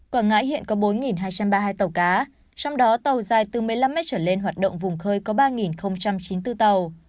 quảng ngãi hiện có bốn hai trăm ba mươi hai tàu cá trong đó tàu dài từ một mươi năm m trở lên hoạt động vùng khơi có ba chín mươi bốn tàu